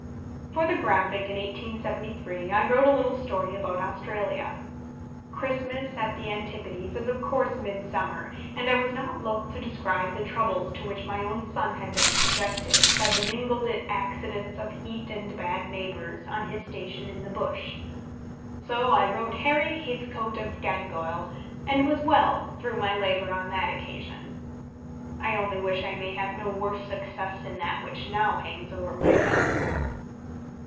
For the Graphic, in 1873, I wrote a little story about Australia. Christmas at the antipodes is of course midsummer, and I was not loth to describe the troubles to which my own son had been subjected, by the mingled accidents of heat and bad neighbours, on his station in the bush. So I wrote Harry Heathcote of Gangoil, and was well through my labour on that occasion. I only wish I may have no worse success in that which now hangs over my head.